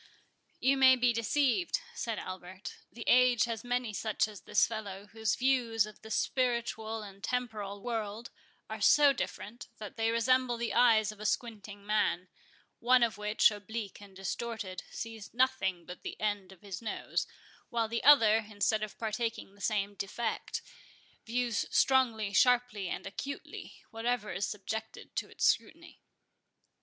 "You may be deceived," said Albert; "the age has many such as this fellow, whose views of the spiritual and temporal world are so different, that they resemble the eyes of a squinting man; one of which, oblique and distorted, sees nothing but the end of his nose, while the other, instead of partaking the same defect, views strongly, sharply, and acutely, whatever is subjected to its scrutiny."